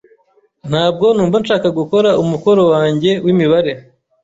Ntabwo numva nshaka gukora umukoro wanjye w'imibare .